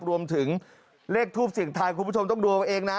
รวมถึงเลขทูปเสียงทายคุณผู้ชมต้องดูเอาเองนะ